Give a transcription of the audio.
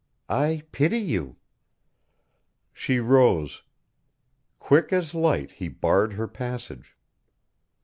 "I pity you!" She rose. Quick as light he barred her passage.